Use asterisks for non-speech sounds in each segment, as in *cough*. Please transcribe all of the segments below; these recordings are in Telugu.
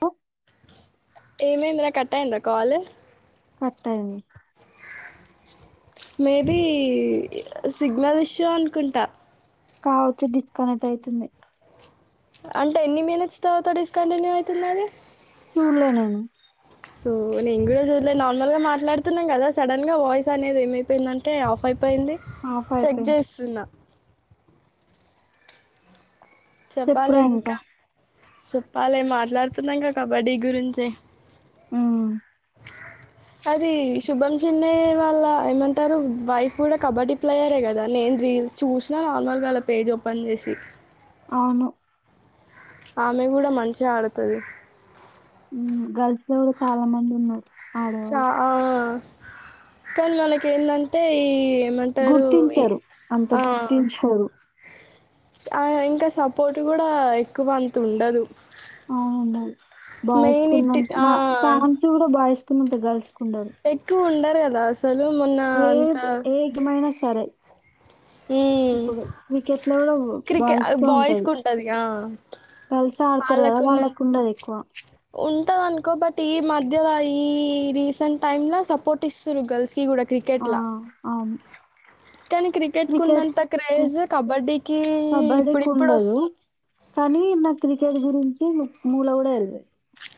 ప్ ఏమైందిరా కట్ అయిందా కాల్ కట్ అయింది మేబీ సిగ్నల్ ఇష్యూ అనుకుంటా కావచ్చు డిస్కనెక్ట్ అయితుంది అంటే ఎన్ని మినిట్స్ తర్వాత డిస్కంటిన్యూ అయితుంది అది చూడలే నేను సో నేను కూడా చూడలేదు నార్మల్ గా మాట్లాడుతున్నాం కదా సడన్ గా వాయిస్ అనేది ఏమైపోయిందంటే ఆఫ్ అయి పోయింది ఆఫ్ చెక్ అయిపోయింది చేస్తున్నా చెప్పాలి ఇంకా చెప్పాలి మాట్లాడ్ తున్న ఇంకా కబడ్డీ గురించే ఆ అది శుభం చిన్నే వాళ్ళ ఏమంటారు వైఫ్ కూడా కబడ్డీ ప్లేయరే కదా నేను రీల్స్ చూసిన నార్మల్గాళ పేజ్ ఓపెన్ చేసి అవును ఆమె కూడా మంచిగా ఆడుతది గర్ల్స్ లో చాలా మంది ఉన్నారు చా ఆడవాళ్ళు కానీ మనకి ఏందంటే ఈ ఏమంటారు ఈ గుర్తించరు అంత ఆ గుర్తించారు ఆ ఇంకా సపోర్ట్ కూడా ఎక్కువ అంత ఉండదు అవునం మెయిన్ ఇట్ బాయ్స్కున్నంత ఆ మా ఫ్యాన్స్ కూడా బాయ్స్ కున్నంత గర్ల్స్ కు ఉండరు ఎక్కువ ఉండర్ కదా అసలు మొన్న ఏ అంత ఏ గేమైనా సరే మ్మ్. ఇప్పుడు క్రికెట్ లో కూడా క్రికెట్ బయిస్కె బాయ్స్కి ఉంటంది ఉంటుంది కల్స్ ఆడతారు కదా వాళ్ళకు ఉండదు ఎక్కువ ఉంటంది అనుకో బట్ ఈ మధ్యల ఈ రీసెంట్ టైమ్ లో సపోర్ట్ ఇస్తుారు గర్ల్స్ కి కూడా ఆ క్రికెట్లా అవును కానీ క్రికెట్ కు ఉన్నంత క్రేజ్ కబడ్డీకి కబడ్డీకి ఇప్పుడిప్పుడు ఉండదు వస్తుంది కానీ నాకు క్రికెట్ గురించి మూల కూడా తెలవదు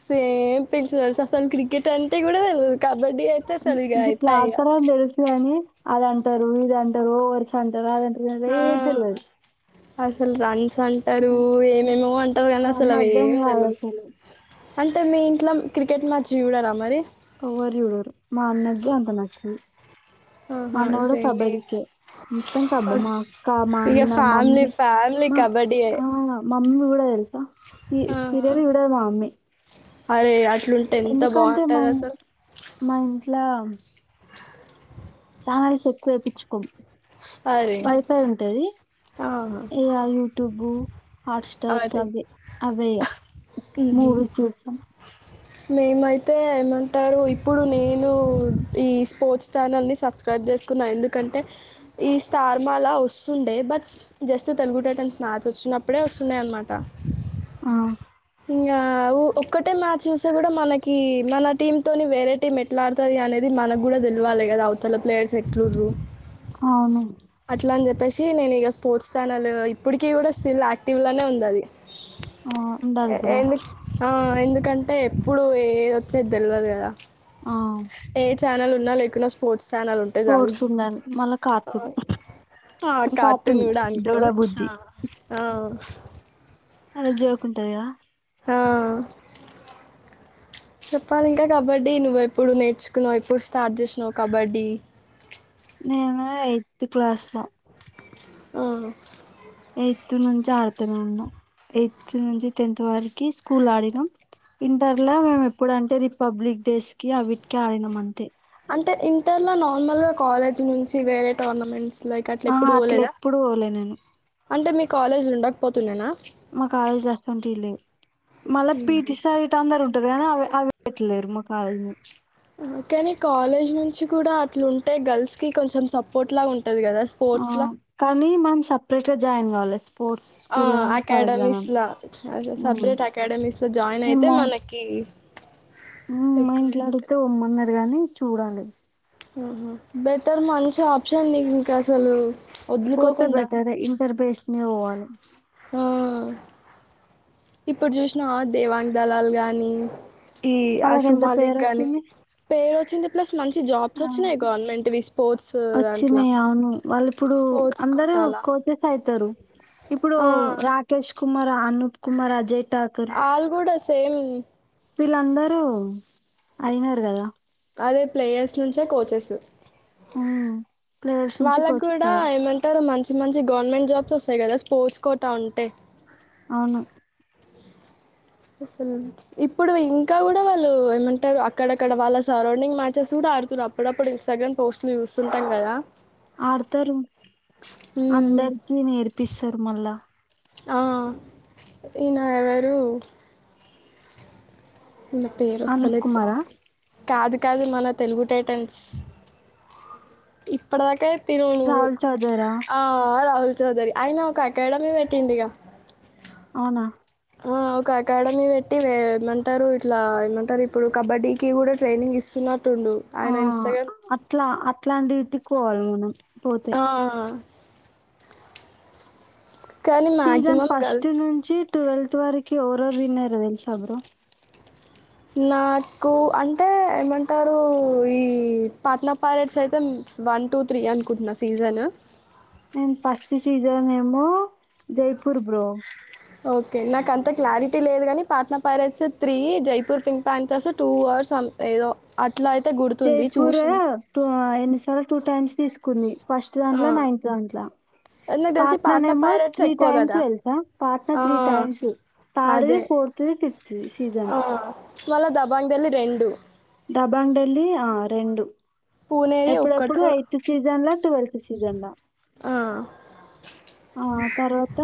సేమ్ పెంచ్ అసలు క్రికెట్ అంటే కూడా తెల్వదు కబడ్డీ అయితే అసలు ఇగ ఇది ఇట్లా అయిపాయ్ ఇగ ఆడతారనీ తెలుసు కాని అద అంటారు ఇద అంటారు వరుస అంటారు అదంటారు ఆ అదేదతెల్వది అసలు రన్స్ అసలు అంటారు ఏమేమో అంటారు కానీ అసలు అవన్నీ అవి అర్థం ఏం కాదు తేలవు అసలు. అంటే మీ ఇంట్లో క్రికెట్ మ్యాచ్ చూడారా మరి ఎవ్వరు జుడరు ఆహ మా అన్న కూడా సేం కబడ్డీకే. మొత్తం కబడ్డీ. మా అక్క, మా ఇక అన్న, ఫ్యామిలీ మమ్మీ ఫ్యామిలీ కబడ్డీ స సీరియల్లు చూడదు మ మమ్మీ అరే అ ఎందుకంటే మ ఇ మా ఇ ట్ల చానెల్స్ ఎక్కువేపిచ్చుకోమ్ అరే వైఫై ఉంటది ఆహా ఇగ యూట్యూబు హాట్స్టార్స్ అరే అవే అవే ఈగ ఉహు మూవీస్ చూస్తాం యితే ఏమంటారు ఇప్పుడు నేను ఈ స్పోర్ట్స్ ఛానల్ని సబ్స్క్రైబ్ చేసుకున్నాను ఎందుకంటే ఈ స్టార్ మా అలా వస్తుండే but just Telugu Titans match వచ్చినప్పుడే వ సన్నా అనమాట ఆ ఇంకా ఒక్కటే మ్యాచ్ చూస్తే కూడా మనకి మన టీమ్ తోని వేరే టీమ్ ఎట్లా ఆడుతుంది అనేది మనకు కూడా తెలివాలి కదా అవతల ప్లేయర్స్ ఎట్లురు అవును అట్లా అని చెప్పేసి నేను ఇక స్పోర్స్ ఛానల్ ఇప్పటికీ కూడా స్టిల్ యాక్టివ్ లానే ఉంది ఆది ఆ ఉండాలి బ్రో ఎందు ఆ ఎందుకంటే ఎప్పుడు ఏది వచ్చే తెల్వదు కదా ఆ ఏ చానల్ ఉన్న లేకున స్పోర్ పోడ్చున్నాను మళ్ళా కార్టూన్ ఆ కార్టూన్ కూడా అనుకో డోడా బుజ్జి ఆ అలా జాకుంటాది కదా హా చెప్పాలి ఇంకా కబడ్డీ నువ్వు ఎప్పుడు నేర్చుకున్నావు ఎప్పుడు స్టార్ట్ చేసినావు్ కబడ్డీ నేను ఎయిత్ క్లాస్ లో ఆ ఎయిత్ నుంచి ఆడుతూనే ఉన్నాం ఎయిత్ నుంచి టెన్త్ వరకి స్కూల్ ఆడినాం ఇంటర్ లో మేము ఎప్పుడంటే రిపబ్లిక్ డేస్ కి అవిటికి ఆడినాం అంతే అంటే ఇంటర్లో నార్మల్గా కాలేజీ నుంచి వేరే టోర్నమెంట్స్ లైక్ ఆ ఎప్పుడు అట్లా పోలేదా ఎప్పుడుూ పోలే నేను అంటే మీ కాలేజ్ ఉండకపోతున్నానా మా కాలేజ్ లో అట్లాంటివి లేవు మళ్ళా పీటీసారి ఇట్ అందరుూ ఉంటారు కానీ అవి అవి వట్లరు మా కాలేజ్ ఆహా కానీ కాలేజ్ నుంచి కూడా అట్లుంటే గర్ల్స్ కి కొంచెం సపోర్ట్ లా ఉంటు ఆ కానీ మనం సపరేట్ గా జాయిన్ కావాలా ఆ అకాడమీస్ అ సపరేట్ అకాడమీస్ లో జాయిన్ అయితే మా మనకి ఉమ్ మా ఇంట్లో అడిగితే పోమనారు కాని చూడాలి ఆహ బెటర్ మంచి ఆప్షన్ నీ ఇంకా అసలు పోతే వదులుకోకుండా బెటర్ ఇంటర్ బెస్ట్ ని అ ఆ ఇప్పుడు చూసినా దేవాంగ దళాలు గాని ఈ వాళ్ళకి అశు ఎంత పేరు మాలిక్ గాని వచ్చింది పేరు వచ్చింది ప్లస్ మంచి ఆ జాబ్స్ వచ్చినాయి గవర్నమెంట్వి స్పోర్ట్స్ దాంట్లో వచ్చినాయి అవును వాళ్ళు ఇప్పుడు స్పోర్ట్స్ అందరు కోటాల కోచెస్ అయితారు ఇప్పుడు ఆ రాకేష్ కుమార్ అనూప్ కుమార్ అజయ్ ఠాకూర్ ఆల్గూడోస్ సేమ్ వీళ్ళందరూ అయినారు కదా అదే ప్లేయర్స్ నుంచే కోచెస్ హు వాళ్ళకి కూడా ఏమంటారు మంచి మంచి గవర్నమెంట్ జాబ్స్ వస్తాయి కదా స్పోర్ట్స్ కోట ఉంటే అవును ఇప్పుడు ఇంకా కూడా వాళ్ళు ఏమంటారు అక్కడక్కడ వాళ్ళ సరౌండింగ్ మ్యాచెస్ కూడా ఆడుతుర్రు అప్పుడప్పుడు ఇస్టా్రామ్ పోస్ట్లు చూస్తుంటాం కదా ఆడతారు మ్మ్. అందరికి నేర్పిస్తారు మళ్ళా ఆ ఈయన ఎవరు ఈయన అనూప్ పేరోస్తాలెద్ స్ కుమారా కాదు కాదు మన తెలుగు టైటన్స్ ఇప్పటిదాకా తిను రాహుల్ చౌదరా ఆ రాహుల్ చౌదరి అయిన ఒక అకాడమీ పెట్టిండు గా అవునా ఆ ఒక అకాడమీ పెట్టి వే ఏమంటారు ఇట్లా ఏమంటారు ఇప్పుడు కబడ్డీకి కూడా ట్రైనింగ్ ఇస్తున్నా ఆ అట్లా అట్లాంటి ట్టికోవాల్ మనం పోతే ఆ కానీ సీజన్ మ్యాక్సిమం గర్ల్ ఫస్ట్ నుంచి టువేల్ టి వరకు ఎవరెవరు వినైర్రో తెల్స బ్రో నాకు అంటే ఏమంటారు ఈ పాట్న ప్యారెట్స్ అయితే వన్ టూ త్రీ అనుకుంటున్నా సీజను నేను ఫస్ట్ సీజన్ ఏమో జైపూర్ బ్రో ఓకే నాకు అంత క్లారిటీ లేదు గానీ Patna pirates three Jaipur pink Panthers two or సం ఎదో ఆ జైపూర్ టు ఆ ఎన్ని సార్ల టూ టైమ్స్ తీసుకుంది ఫస్ట్ ఆ, దాంట్ల నాయింత్ దాంట్ల నాకు తెలిసి పాంట్ల పాట్నా నేమో పైరేట్స్ త్రి ఎక్కువ టైమ్స్ కదా తెల్సు పాత్ర ఆ, త్రీ టైమ్స్ థర్డ్ ది అదే ఫోర్త్ ది ఫిఫ్త్ ది సీజస్ మల్ల దబాంగ్ దేల్లీ రెండు దబాంగ్ డెల్లీ ఆ రెండూ పూణేది ఎప్పుడెప్పుడు ఒక్కటో ఎయిత్ సీజన్ ల టువేల్ సిజన్ల ఆ, ఆ తర్వాత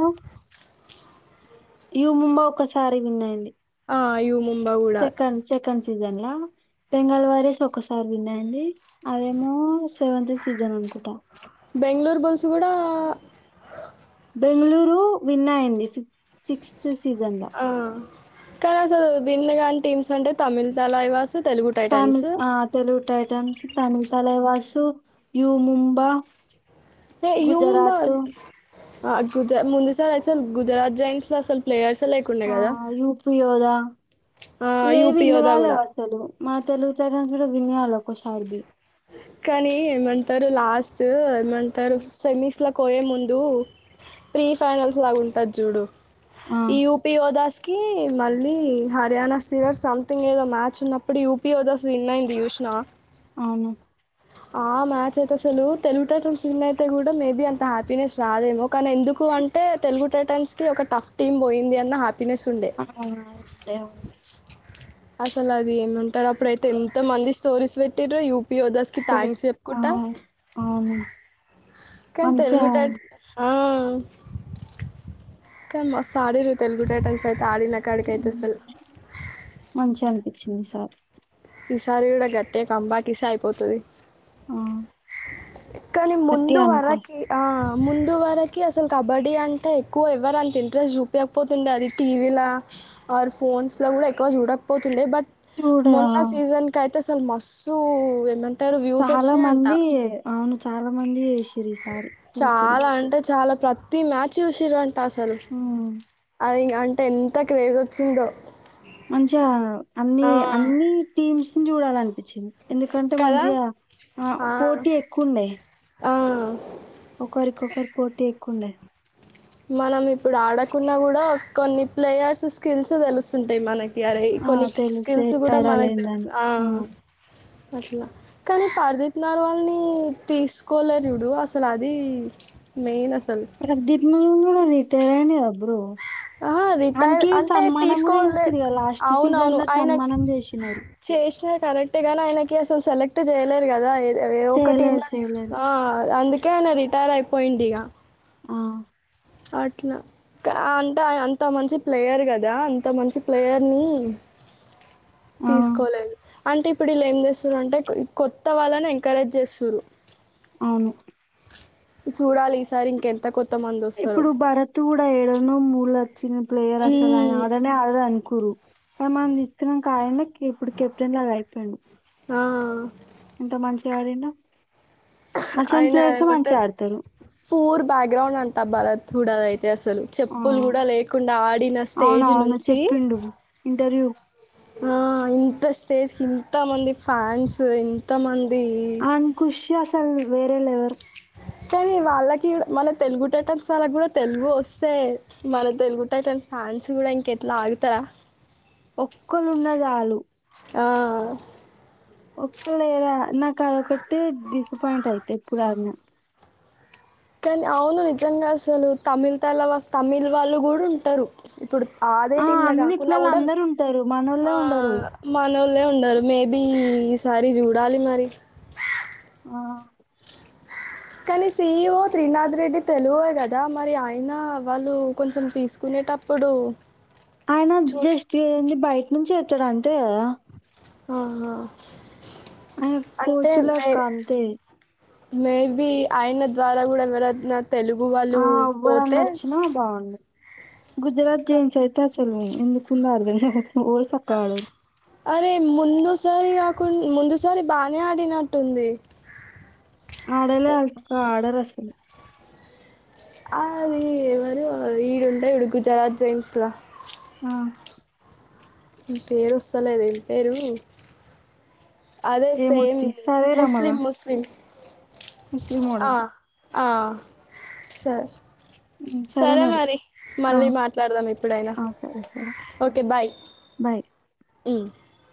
యు ముంబ ఒక్కసారి విన్ అయింది ఆ యూ ముం సెకండ్ సెకండ్ సీజన్ ల బెంగాల్ వారియర్స్ ఒకసారి విన్ అయింది అదేమో సెవెంత్ సీజన్ అనుకుంటా బెంగుళూర్ బుల్స్ గూడ బెంగళూరు విన్ అయింది ఫిఫ్ సిక్స్త్ సీజన్ లా ఆ కనసలు విన్నుగాని టీంసంటే తమిళ్ తలైవాసు తమి ఆ తెలుగు టైటాన్స్ తమిల్ తలైవాసు యూ ముంబ ఏ యూ ముంబ గుజ ముందు సార్ అసలు గుజరాత్ జెంట్స్ అసలు ప్లేయర్స్ లేకుండే ఆ కదా యూపియోదా ఇవేవి యూపీ యోధా కూడా విన్గాలేదు అసలు మా తెలుగు టైటాన్స్ గూడ విన్ గాలే ఒక్కసారికి కని ఏమంటరు లాస్ట్ఏమంటరు సెమిస్లకు పోయే ముందు ఫ్రీ ఫైనల్స్ లాగా ఉంటది చూడూ ఆ ఈ యుపి యోదాస్ కీ మళ్ళీ హర్యానా స్టిల్లర్స్ సామ్థింగ్ ఏదో మ్యాచు ఉన్నపుడు యుపి యోదాస్ విన్ అయింది చూసినవ అవును ఆ మ్యాచ్ అయితే అసలు తెలుగు టైటన్స్ విన్ అయితే గుడా మేబి అంత హ్యాపీనెస్ రదేమో కానీ ఎందుకు అంటే తెలుగు టైటన్స్ కి ఒక టఫ్ టీమ్ పోయింది అన్న హ్యాపీ ఆ అంటే అసలు అది ఏమంటారు అప్పుడైతే ఎంత మంది స్టోరీస్ పెట్టిరు యు పియోదాస్ కి పెట్ థాంక్స్ ఆ చెప్పుకుంటా అవును కన్ మంచిగా తెలుగు టైటా హా కన్ మస్తు ఆడిర్రు తెలుగు టైటాన్స్ ఐతే ఆడిన కడికైతే అసలు ఈసారి ఈసారి కూడా గట్టే కంబాకిీసే అయిపోతుది ఆ కానీ ముందు గట్టిగా అనుకో వరకి ఆ ముందు వరకు అసలు కబడ్డీ అంటే ఎక్కువ ఎవరు అంత ఇంట్రెస్ట్ చూపించకపోతుండే అది టీవీలో ఆర్ ఫోన్స్లో కూడా ఎక్కువ చూడకపోతుండే బట్ చూడు ఆ! మోన్నా సీజన్ క సలు మస్సుూ ఏమంత చాలా మంది అవును చాలా మంది ఈసారి చూసిరు చాలా అంటే చాలా ప్రతి మ్యాచ్ చూసంరెంత అట్టసలు ఉమ్ అదీంగా అంటే ఎంత క్రేజ్ వచ్చిందో మంచిగా అన్ని ఆ, అన్ని టీమ్స్ చూడాలనిపించింది ఎందుకంటే కదా మంచిగా ఆ పోటీ ఎక్కువుండే ఆ. ఒకరికొకరు పోటీ కుండే మనం ఇప్పుడు ఆడకున్నా కూడా కొన్ని ప్లేయర్స్ స్కిల్స్ తెలుస్తుంటాయి మనకి రే ఆ కొన్ని తెలుసు స్కిల్స్ కూడా ఎట్లాడాలి మనకు తెలుసు ఏందని ఆ అట్ల కానీ పర్దీప్ నెర్వాల్ నీ తీసుకోలే చూడు అసలు అది మెయిన్ అసలు ప్రదీప్ ను ను రిటైర్ అయ్యిండు కదా అప్పుడు ఆ రిటైర్ అంటే గూడా తీసుకోలే చేసిర్రు గదా! లాస్ట్ అవునవును సీజన్‌లో ఆయన సన్మానం జేషినారు. చేసినా కరెక్టే కాని ఆయన అసలు సెలెక్ట్ చేయలేరు కదా ఒక టీమ్ చేయలేరు. లో చేయలేరు. ఆ అందుక ఎన రిటైర్ అయిపొయిండిగా ఆ అట్ల అంటే అంత మంచి ప్లేయర్ కదా అంత మంచి ప్లేయర్ని ఆ! తీసుకోలేదు అంటే ఇప్పుడు వీళ్ళు ఏం చేస్తురు అంటే కొత్త వాళ్ళని ఎంకరేజ్ చేస్తురు అవును సూడాలి ఇప్పుడు భరత్ కూడా ఏడు కొనమూలత చిన్న ప్లేయర్ అసలు ఆయన మ్మ్. ఆడనే ఆడద *unintelligible* చినం కాయన ఇప్పుడు కెప్టెన్ లాగా అయిపోయుండు ఆ ఇంత మంచిగాడిండు అయినా మ ఆడతారు. ఫూర్ బా గ్రౌండ్ అంతా భరత్ తూడదయితే అసలు ఆ! చెప్పులు కూడా లేకుండా ఆడిన స్టేజ్ అవునవును. నుంచి చెప్పిండు ఇంటర్వ్యూ. ఆ ఇంత స్టేజ్ ఇంత మంది ఫ్యాన్స్ ఇంత మంది అంకుష్య వేరే లేెవర్ కానీ వాళ్ళకి కూడా మన తెలుగు టైటన్స్ వాళ్ళకి కూడా తెలుగు వస్తే మన తెలుగు టైటన్స్ ఫ్యాన్స్ కూడా ఇంక ఎట్ల ఆగుతారా ఒక్కలున్న చాలు ఆ ఒక్క లేరా నాకు అదొకటి డిసప్పయింట్ అయితే ఇప్పుడు ఆగన కానీ అవును నిజంగా అసలు తమిళ తలవాష్ తమిళ్ వాళ్ళు కూడా ఉంటారు. ఇప్పుడు అదే ఆ టీంలా కాకుండా అన్నిట్లలో కూడా అందరు ఉంటారు మనోళ్ళే ఆ ఉండరు. మనో ఉండరు మేబీ ఈసారి చూడాలి మరి ఆ కానీ సిఈఓ త్రీనాథ్ రెడ్డి తెలుగే కదా మరి, ఆయన వాళ్ళు కొంచెం తీసుకునేటప్పుడు ఆయన చూసి జస్ట్ ఏంది బయట నుంచి డ అంత ఆహా అ కోచులా కా అంతే మేబి ఆయన ద్వారా కూడా ఎవరన్నా తెలుగు వాళ్ళు ఆ పోతే ఎవ్వరన్నా వచ్చినా బాగుండు. గుజరాత్ జన్ చైతా సల్వం ఎందుకుందో అ ఒ సక్కగా లే అరే ముందుసరి అకు ముందు సరి బానే ఆడినట్టుంది ఆడలే అల్ ఆడ రస్ అది ఎవరు ఈడుంటా ఇప్పుడు గుజరాత్ జైమ్స్లా ఆ ఇ పేరు వస్తలేదేంత ఎపేరు అదే సేమ్ ఏమొద్ది ముస్లిం ముస్లిం ముస్లిం వోడా ఆ, ఆ సరే సరే మరి ఆ మళ్ళీ మాట్లాడదాం ఇప్పుడైనా ఆ సరే సరే ఓకే బాయ్ బాయ్ మ్